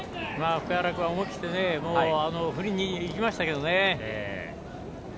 福原君は思い切って振りに行きましたけどね。